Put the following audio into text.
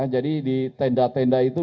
jadi di tenda tenda itu